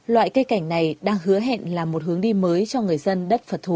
loại cây cảnh này đang hứa hẹn là một hướng đi mới cho người dân đất phật thụ